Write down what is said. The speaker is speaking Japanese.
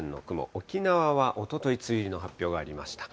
沖縄はおととい、梅雨入りの発表がありました。